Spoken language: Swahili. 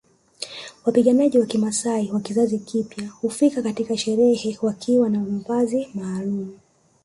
Wapiganaji wa kimaasai wa kizazi kipya hufika katika sherehe wakiwa na mavazi maalumu